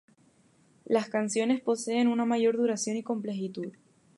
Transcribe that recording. Las canciones poseen una mayor duración y complejidad.